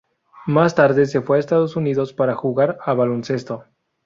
Más tarde se fue a Estados Unidos para jugar a baloncesto.